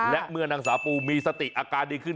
และเมื่อนางสาวปูมีสติอาการดีขึ้น